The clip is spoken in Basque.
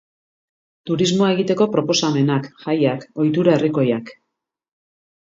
Turismoa egiteko proposamenak, jaiak, ohitura herrikoiak.